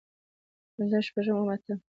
پنځم شپږم اووم اتم